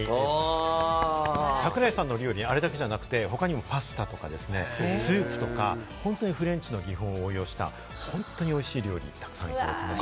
櫻井さんの料理、あれだけじゃなくて他にもパスタですとかスープとか、本当にフレンチの技法を応用した本当に美味しい料理がたくさんありました。